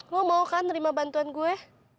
lo mau kan nerima bantuan gue